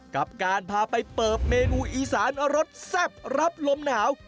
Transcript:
กับการพาไปเปิดเมนูอีสานรสแซ่บรับลมหนาว